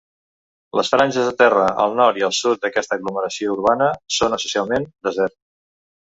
Les franges de terra al nord i al sud d'aquesta aglomeració urbana són, essencialment, desert.